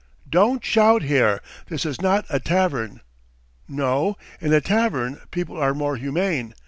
"Don't shout here! This is not a tavern!" "No, in a tavern people are more humane.